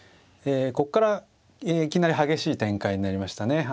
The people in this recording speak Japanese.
こっからいきなり激しい展開になりましたね。